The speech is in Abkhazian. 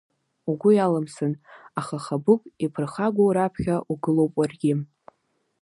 Угәы иалымсын, аха Хабыгә иԥырхагоу раԥхьа угылоуп уаргьы.